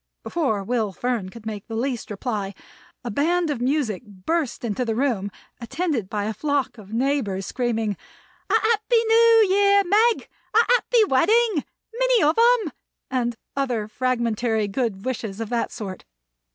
Before Will Fern could make the least reply, a band of music burst into the room, attended by a flock of neighbors, screaming: "A Happy New Year, Meg!" "A Happy Wedding!" "Many of 'em!" and other fragmentary good wishes of that sort.